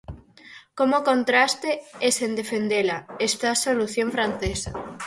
Como contraste, e sen defendela, está a solución francesa.